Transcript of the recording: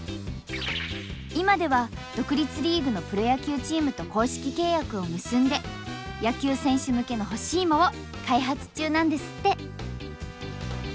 今では独立リーグのプロ野球チームと公式契約を結んで野球選手向けの干し芋を開発中なんですって。